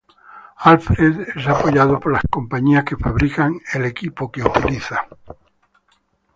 Alfred es apoyado por las compañías que fabrican el equipo que utiliza.